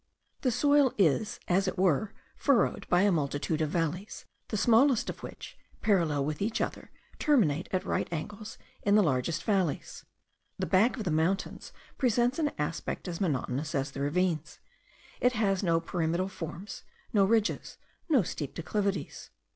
The soil is as it were furrowed by a multitude of valleys, the smallest of which, parallel with each other, terminate at right angles in the largest valleys. The back of the mountains presents an aspect as monotonous as the ravines; it has no pyramidal forms, no ridges, no steep declivities.